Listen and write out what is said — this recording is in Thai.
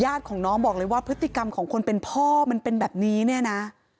ของน้องบอกเลยว่าพฤติกรรมของคนเป็นพ่อมันเป็นแบบนี้เนี่ยนะ